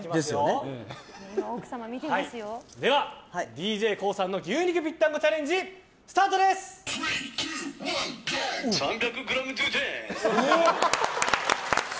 では、ＤＪＫＯＯさんの牛肉ぴったんこチャレンジスタートです！